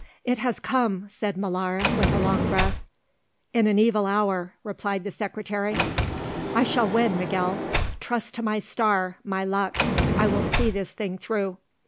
"It has come," said Molara with a long breath. "In an evil hour," replied the Secretary. "I shall win, Miguel. Trust to my star, my luck, I will see this thing through.